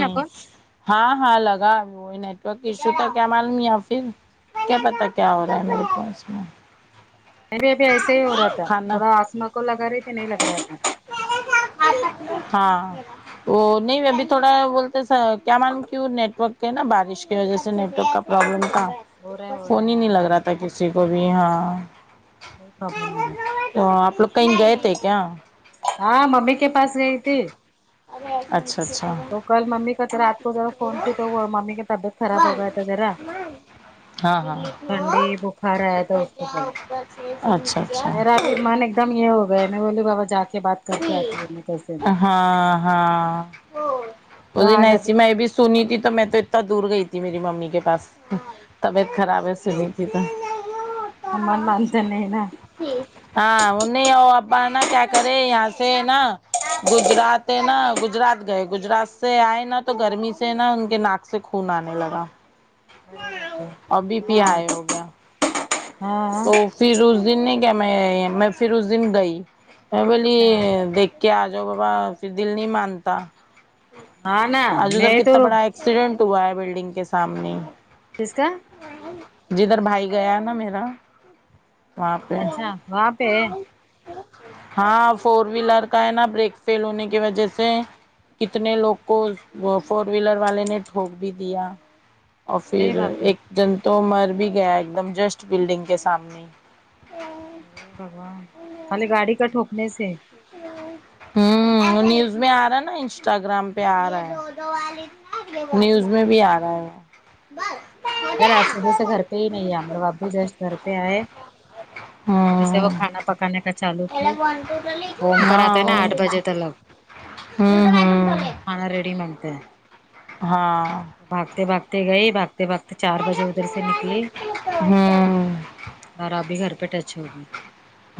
نا کو ہاں ہاں لگا اب وہی نیٹورک ایشو تو کیا معلوم ہے پھر کیا پتا کیا ہو رہا ہے میرے پاس میں مجھے بھی ایسا ہی ہو رہا تھا کھانا تھوڑا آسما کو لگا رہی تھی نہیں لگ رہا انا ہاں وہ نہیں ابھی تھوڑا بول کیا معلوم کیوں نیٹورک کے نا بارش کی وجہ سے نیٹ ورک کا پرابلم تھا ہو رہا ہے ہو رہا ہے فون ہی نہیں لگ ہاں رہا تھا کسی کو بھی ہاں ہا ہا تو آپ لوگ کہیں گے تھے کیا ہاں ممی کے پاس گئی تھی اچھا اچھا وہ کل ممی کا تو رات کو ذرا فون کی تو وہ ممی کا طبیعت خراب ہو گیا تھا ذرا ہاں ہاں ٹھنڈی بخار آیا تھا اس کو کل اچھا تو میرا بھی اچھا من ایک ایک دم یہ ہو گئے نا بولے بابا کے بات کر کے آتی ہے میں کیسے بھی ہاں ہاں ہاں وہ تو آ دن جاتے ایسی میں بھی سنی تھی تو میں تو اتنا دور گئی تھی میری ممی کے پاس طبیعت ہاں خراب ہے وہی تو سنی تھی من مانتا نہیں نا ہاں وہ نہیں ہو ابا نا کیا کرے یہاں سے نا گجرات ہے نا گجرات گئے گجرات سے آئے نا تو گرمی سے نا ان کے ناک سے خون آنے لگا ارے باپ رے ا بی پی ہاں ہائے ہو گیا ہاں تو پھر اس دن نے کیا میں میں پھر اس دن گئی میں بولی اچھا دیک کیا آ جاؤ بابا پھر دل نہیں مانتا ہاں نا آج ادھر میں تو کتنا بڑا ہے ایکسیڈنٹ ہوا ہے بلڈنگ کے سامنے کس کا جدھر بھائی گیا نا میرا واںپہ اچھا وہاں پہ ہے ہاں فور ویلر کا ہے نا بریک فیل ہونے کی وجہ سے کتنے لوگ کو فور ویلر والے نے ٹھوک بھی دیا اور ارے پھر باپ رے ایک دن تو مر بھی گیا ایک دم جسٹ بلڈنگ کے ساتھ سامنے کھلے خالی گاڑی کا ٹھوکنے سے ہ نیوز میں آ رہا ہے نا انسٹاگرام پہ آ رہا ہے نیوز کیا میں بات۔ بھی آ رہا ہے ادھر آج صبح سے گھر پہ ہی نہیں ہے ہم لوگ اب بھی جسٹ گھر پہ آئے میں سے ہوں وہ کھانا پکانے کا چالو کی گھوم کر آتے ہاں ہیں نا وہی آٹھ بجے تلگ ہوں ہوں کھانا ریڈی منتا ہے ہاں بھاگتے بھاگتے گئی بھاگتے بھاگتے چار بجے ادھر سے ہوں نکلی ہاں اور ابھی گھر پہ ٹچ ہو گئی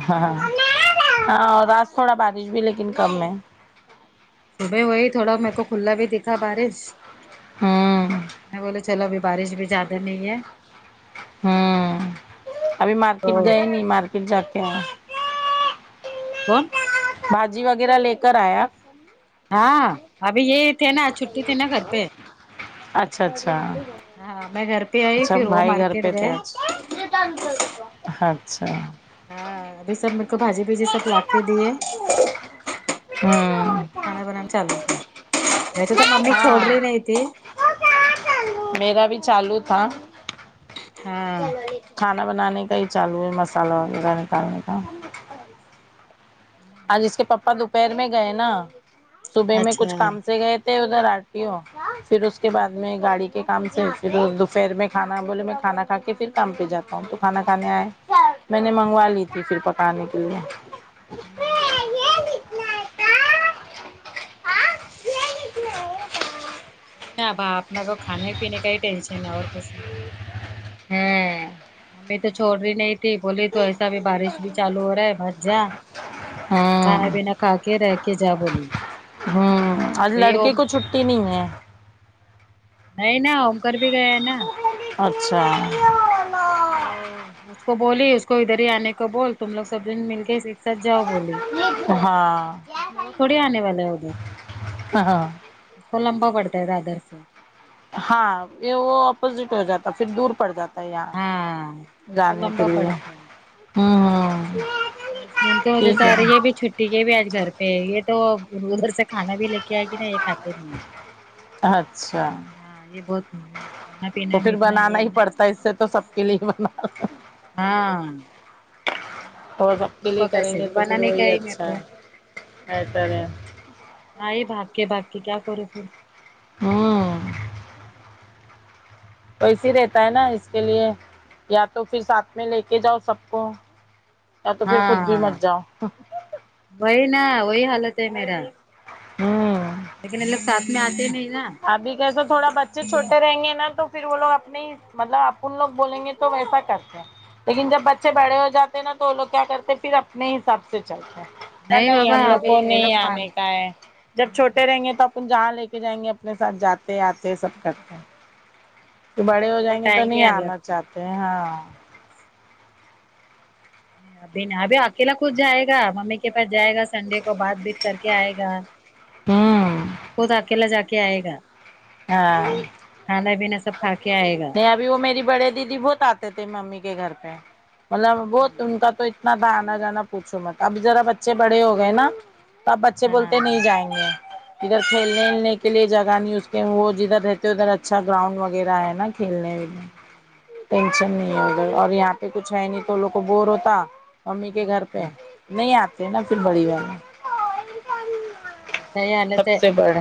ہاں ہاں ہاں اور آج تھوڑا بارش بھی لیکن کم ہے صبح وہی تھوڑا میر کو کھلا بھی دیکھا بارش ہوں میں بولے چلو ابھی بارش بھی زیادہ نہیں ہے ہوں ابھی تو مارکیٹ گئے نہیں مارکیٹ جا تے ہے کون باجی وغیرہ لے کر آیا ہاں ابھی یہی تھے نا چھٹی تھی نا گھر پہ اچھا اچھا ہاں میں گھر پہ آئی اچھا پھر وہ بھائی گھر مارکیٹ پہ تھے گئے آج اچھا [unintelligible] ہاں ابھی سب میرے کو بھاجی بجی سب لا کے دیے ہاں کھانا بناکے چاول بنا میکو تو ممی چوڑتی نہیں تھی میرا بھی چالو تھا ہاں کھانا بنانے کا ہی چالو ہے مسالہ وغیرہ نکالنے کا آج اس کے پپا دوپہر میں گئے نا صبح میں کچھ اچھا کام سے گئے ادھر آرٹی ہو پھر اس کے بعد میں گاڑی کے کام سے پھر دوپہر میں کھانا بولے میں کھانا کھا کے پھر کام پہ جاتا ہوں تو کھانا کھانے آئے میں نے منگوا لی تھی پھر پکانے کے لیے نہ با اپنے کو کھانے پینے کا ہی ٹینشن ہے اور کچھ نہیں ہم ممی تو چوڑ رہی نہیں تھی بولی تو ایسا بھی بارش بھی چالو ہو رہا ہے مت جا ہاں کھانا پینا کھا کے رہکے جا بولی ہوں آج ابھی وہ لڑکے کو چھٹی نہیں ہے نہیں نا ہوم کر بھی گیا نا اچھا تو اس کو بولی اس کو ادھر ہی آنے کو بول تم لوگ سب جن مل کے سب جاؤ بولی ہاں وہ تھوڑی آنے والا ہے ادھر ہاں تو لمبا پڑتا ہے رادر سے ہاں یہ وہ اپوزٹ ہو جاتا پھر دور پڑ جاتا یہاں ہاں تو اس کو جانے کے لمبا لیے پڑتا ہے ہ ہ ان کی وجہ سے آ رہے یہ بھی چھٹی یہ بھی آج گھر پہ یہ تو ادھر سے کھانا بھی لے کے آئے گی نا یہ کھاتے نہیں اچھا ہاں یہ بہت کھانا تو پینا میں پھر اتنا بنانا یہ ہی نا پڑتا ہے اس سے تو سب کے لیے ہی بنا ہاں میں بولی اور سب کے دونوں کا لیے کریں کیسے گے بھی تو پھر بنانے کا وہی ہے میرے اچھا کو بہتر ہے ہاں یہ بھاگ کے بھاگ کے کیا کرو پھر ہاں ویسے ہی رہتا ہے نا اس کے لیے یا تو پھر ساتھ میں لے کے جاؤ سب کو یا تو پھر خود بھی ہاں مت جاؤ وہی نا وہی حالت ہے میرا ہوں لیکن یہ لوگ ساتھ میں آتے ہی نہیں نا ابھی کیسو تھوڑا بچے چھوٹے رہیں گے نا تو پھر وہ لوگ اپنے ہی مطلب اپن لوگ بولیں گے تو ویسا ہی کرتے ہیں لیکن جب بچے بڑے ہو جاتے ہیں نا تو وہ لوگ کیا کرتے ہیں پھر اپنے ہی حساب سے چلتے ہیں کیا نہیں بابا ہم لوگ ابھی کو یہ نہیں لوگ مان آنے کا ہے جب چھوٹے رہیں گے تپ تم جہاں لے کے جائینگے اپنے ساتھ جاتے آتے سب کرتے ہے کہ بڑے وہ ہو وہ جائیں گے تو ٹائم ہی نہیں الگ آنا تھا، چاہتے ہاں ابھی ن ابھی اکیلا خود جائے گا ممی کے پاس جائے گا سنڈے کو مار پیٹ کر کے آئے گا ہوں خود اکیلا جا کے آئے گا ہاں کھانا پینا سب کھا کے آئے گا نہیں اب وہ میری بڑے دیدی بہت آتے تھے ممی کے گھر پہ مطلب بہت ان کا تو اتنا تھا آنا جانا پوچھو مت اب ذرا بچے بڑے ہو گئے نا تو آب بچے بولتے نہیں ہاں جائیں گے ادھر کھیلنے کے لیے جگہ نہیں اس کہ وہ جدھر رہتے ادھر اچھا گراؤنڈ وغیرہ ہے گھیلنے ٹینشن نہیں اگر اور یہاں پہ کچھ ہے نہیں تو وہ لوگ کو بور ہوتا امی کے بور گھر پہ ہوتے نہیں آتے نا پھر بڑی بہن ویسا ہی حالت سب ہے سے بڑھ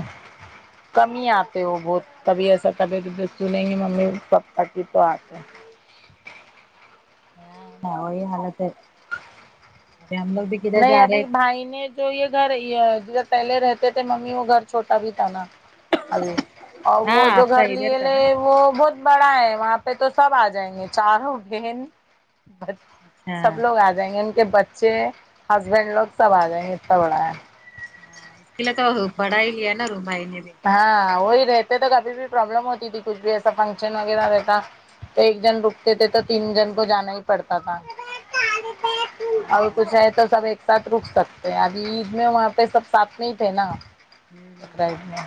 کمی آپ تو وہ بہت کبھی ایسا طبیعت وبیت سنیں گی ممی پپا کی تو آتے [unintelligible] ابھی ہم لوگ بھی کدھر نہیں جا رہے ابھی بھائی نے جو یہ گھر یہ جو پہلے رہتے تھے ممی وہ گھر چھوٹا بھی تھا نا ابی اور ہاں وہ جو آپ کا گھر ادھر لیے کا لے نا وہ بہت بڑا ہے وہاں پہ تو سب آ جائیں گے چاروں بہن بھ اچھا سب لوگ آ جائیں گے ان کے بچے ہسبینڈ لوگ سب آ جائیں گے اتنا بڑا ہے ہاں اس کے لیے تو بڑا ہی لیا نا روم بھای نے بھی ہاں وہی رہتے تو کبھی بھی پرابلم ہوتی تھی کچھ بھی ایسا فنکشن وغیرہ رہتا تو ایک جن رکتے تھے تو تین جن کو جانا ہی پڑتا تھا ہاں [unintelligible] ساتھ رک سکتے ہیں ابھی عید میں وہاں پہ سب ساتھ میں ہی تھے نا ہ بکرہ ہ عید ہ میں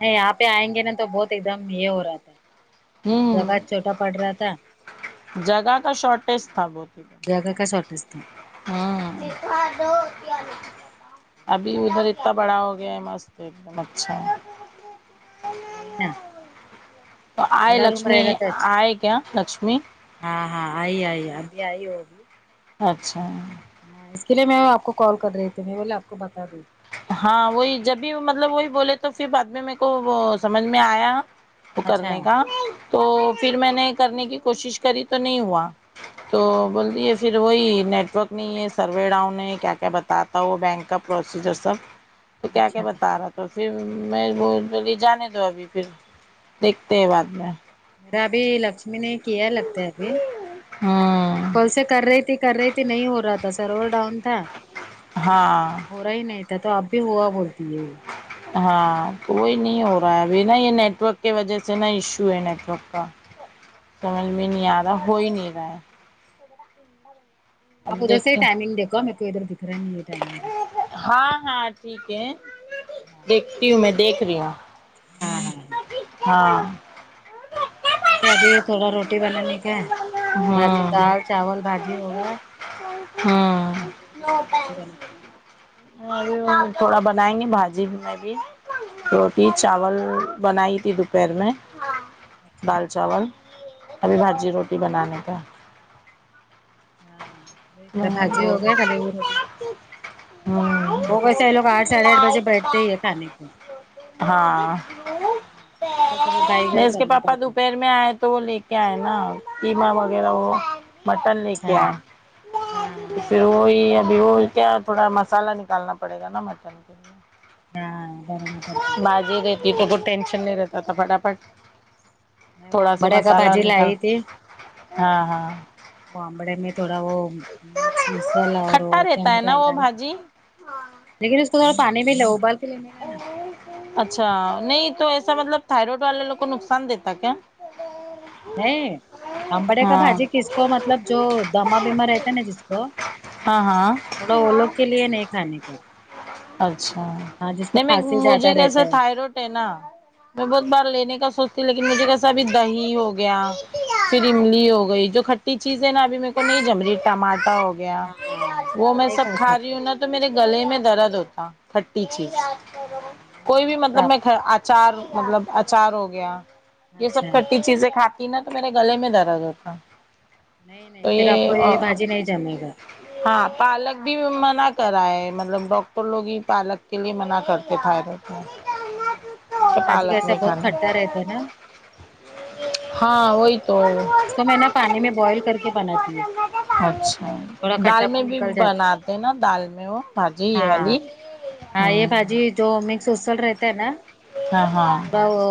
نہیں یہہ پے آئیں گے نا تو بہت ایک دم یہ ہو رہا تھا ہوں جگہ چھوٹا پڑ رہا تھا جگہ کا شارٹیج تھا بہت جگہ کا شارٹیج تھا ہوں ابھی وہی ادھر اتتا بڑا ہو گیا ہے مست ایک دم اچھا [unintelligible] تو آئے بڑا روم لکشمی رہے گا تو اچھا آئے کیا لکشمی ہاں ہاں آئ آئ ابھی آئی وو اچھا ہاں اس کے لیے میں آپ کو کال کر رہی تھی میں بولے آپ کو بتا دوں ہاں وہی جب بھی مطلب وہی بولے تو پھر بعد میں میرے کو وہ سمجھ میں آیا وہ اچھا کرنے کا تو پھر مینے کرنے کے کوشش کری تو نئی ہوا تو بولدیے پھر پھر وہی نیٹ ورک نہیں ہے سروے ڈاؤن ہے کیا کیا بتاتا وہ بینک کا پروسیجر سب تو کیا کیا اچھا بتارہ تو پھر میں وہ بولی جانے دو ابھی پھر دیکھتے ہیں بعد میں نئی ابھی لکشمی نے کیا لگتا ہے ابھی ہوں کل سے کر رہی تھی کر رہی تھی نہیں ہو رہا تھا سرور ڈاؤن تھا ہاں ہو رہا ہی نہیں تھا تو ابھی ہوا بولتی ہے ہاں تو وہی نہیں ہو رہا ہے ابھی نا یہ نیٹ ورک کی وجہ سے نا ایشو ہے نیٹورک کا سمجھ میں نہیں آ رہا ہو ہی نہیں رہا ہے اب آپ ادھر سے ہی دیکھیں ٹائمگ دیکھو میں کو ادھر دکھ رہا نہیں ٹائمنگ ہاں ہاں ٹھیک ہے دیکھتی ہوں مے دکھرہی ہوں ہاں ہاں ہاں ہاں ابھی تھوڑا یہ روٹی بنانے کا ہے بھاجی دال چاول بھاجی ہوگایا ہمم [inaudible] اور تھوڑا بنائیں گے بھاجی مے بھی روٹی ہاں چاول بنائی تھی دوپہر میں اچھا دال چاول ابھی بھاجی روٹی بنانے کا ہے [unintelligible] ہمم وہ ویسے ہے لوگا آٹھ ساڈھے آٹھ بجے بیٹھتے ہی ہے کھانے کو بند ہاں چلو گائی میں گائی اس کے کرنا پاپا پڑتا ہے دوپہر میں آئے تو وہ لے کے آئے نا قیما وغیرہ وہ مٹن لے اچھا کے آئے ہاں پھر وہی ابھی وہ کیا تھوڑا مسالہ نکالنا پڑے گا نا مٹر کے لیے ہاں گھر میں پڑتی یہ تو بہت ٹینشن نہیں رہتا تھا پٹافٹ میں وہ تھوڑا سا آمبڑے کا مسالہ اور بھاجی نکال لائی تھی ہاں ہاں بامڑے میں تھوڑا وہ [unintelligible] کھٹا رہتا ہے نا وہ بھاجی لیکن اس کو تھذڑا پانی بھی لو ابال کے لینے کا نا اچھا نہیں تو ایسا مطلب تھائرائڈ والے لوگ کو نقصان دیتا کیا ہے آبڑے کا ہاں بھاجی کس کو مطلب جو دما بیما رہتا نا جس کو ہاں ہاں تھوڑا اولوگ کے لیے نہیں کھانے کا اچھا ہاں جس کو نہیں میں کھانسی زیادہ مجھے رہتا کیسے تھائروڈ ہے نا میں بہت بار لینے کا سوچتی ہ لیکن مجھے کیسا ابھی دہی ہو گیا پھر املی ہو گئی جو ک ہے چیزیں نا ابھی میرے کو نہیں جمری ٹماٹر ہو گیا ہاں وہ تو میں نہیں سب کھا رہی سکتے ہوں نا تو میرے گلے میں درد ہوتا کھٹی چیز ہاں نہیں کوئی نہیں بھی پھر مطلب آپ میں اچار مطلب اچار ہو گیا یہ اچھا سب کھٹی چیزیں کھاتی نا تو میرے گلے میں درد ہوتا نہیں تو نہیں پھر آپ کو یہی یہ باجی نہیں جمے گا ہاں پالک بھی منع کرا ہے مطلب ڈاک تو لوگ ہی پالک کے لیے منع کرتے تھائیرڈ میں یہ کہ بھجی پالک کیسا نہیں بہت کھانی کھٹا رہتا ہے نا ہاں وہی تو اس کو میں نا پانی میں بوائل کر کے بناتی ہے اچھا تھوڑا دال کھٹا میں پن بھی نکل جاتا بناتے نا دال میں وہ بھجی یہ وال اں ہاں یہ بھجی جو مکس اسل رہتا ہے نا ہاں ہاں تھوڑا وہ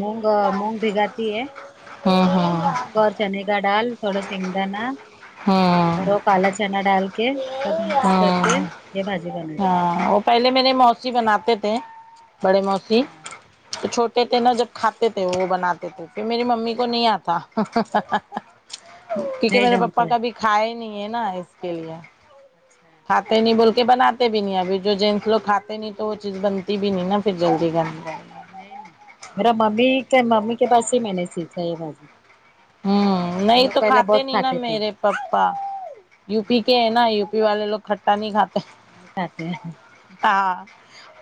مونگ مونگ بھگاتی ہے ہاں ہاں مونگ اور چنے کا ڈال تھوڑا سگ د نا ہاں کالا چنا ڈال کے سب مکس کر کے ہوں یہ بھاجی بناتی ہاں وہ پہلے میرے موسی بناتے تھے بڑے موسی اچھا تو چھوٹے تھے نا ہاں جب کھاتے تھے وہ بناتے تھے پھر میری ممی کو ہاں نہیں آتا کیونکہ نہیں میرے پاپا جمتے کابھی کھائے ہی نہیں ہے نا اس کے لیے اچھا کھاتے نہیں بول کے بناتے بھی نہیں ابھی جو جینٹس لوگ کھاتے نہیں تو وہ چیز بنتی بھی نہیں نا پھر جلدی گھر میں نہیں نہیں میرا ممی ممی کے پاس ہی میں نے سیکھا ہے یے بھاجی ہاں وہ نہیں لوگ تو پہلے کھاتے بہت نہیں نا تھے میرے پپا یو پی کے ہے نا یو پی والے لوگ کٹا نہیں کھاتے نہیں کھاتے ہیں ہاں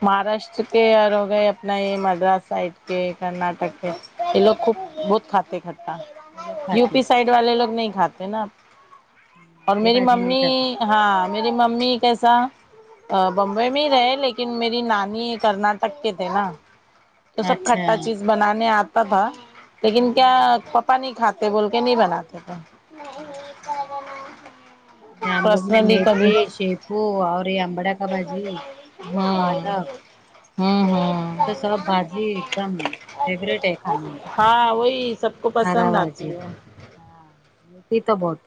مہاراشٹر کے اور ہو گئے اپنا یہ مدراس سائڈ کے کرناٹک کے یہ لوگ خوب بہت کاتے کھاتے ہیں کھٹا وہ لوگ یو کھاتے پی سائڈ والے لوگ نہیں کھاتے نا اور ہیں یہ میری بھاجی نہیں ممی کھاتے ہاں میری ممی کیسا بمبئی میں ہی رہے لیکن میری نانی کرناٹک کے تھے نا تو سب اچھا کھٹا چیز بنانے آتا تھا لیکن کیا ہے ہمم پاپا نہیں کھاتے بول کے نہیں بناتے تھے اچھا ہم لوگ میں پرسنلی کبھی میتھی شیپو اور یہ امباڑا کا بھاجی ہاں پالک ہ یہ تو سب بھاجی ایک دم فیورٹ ہے کھانے میں ہاں وہی سب کو ہرا پسند بھاجی آتی ہے ہاں ملتی تو بہت